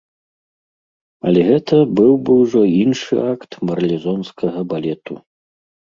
Але гэта быў бы ўжо іншы акт марлезонскага балету.